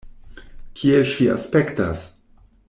Kiel ŝi aspektas?